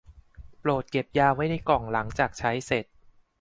โปรดเก็บยาไว้ในกล่องหลังจากใช้เสร็จ